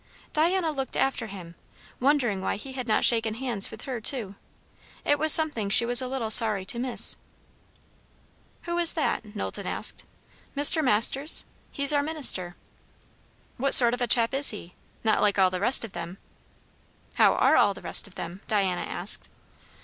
Diana looked after him, wondering why he had not shaken hands with her too. It was something she was a little sorry to miss. "Who is that?" Knowlton asked. "Mr. Masters? He's our minister." "What sort of a chap is he? Not like all the rest of them?" "How are all the rest of them?" Diana asked.